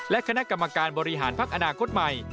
และคณะกรรมการบริหารพักอนาคตใหม่